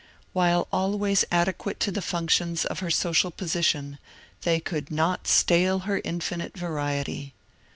While always adequate to the functions of her social position, they could not ^^ stale her infinite variety.''